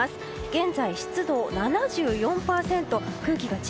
現在、湿度７４％。